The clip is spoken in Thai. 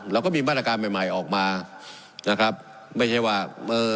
เราก็มีมาตรการใหม่ใหม่ออกมานะครับไม่ใช่ว่าเออ